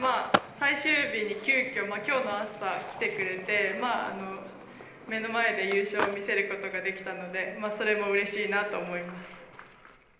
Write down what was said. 最終日に急きょ、今日の朝来てくれて目の前で優勝を見せることもできたのでそれもうれしいなと思います。